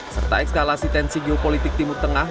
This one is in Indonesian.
serta eskalasi tensi geopolitik timur tengah